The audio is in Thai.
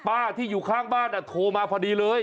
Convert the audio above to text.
ป้าที่อยู่ข้างบ้านโทรมาพอดีเลย